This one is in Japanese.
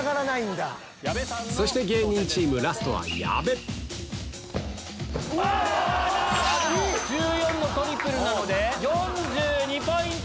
そして芸人チームラストは矢部１４のトリプルなので４２ポイント。